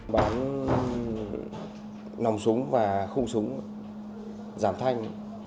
bán nòng súng và khung súng giảm thanh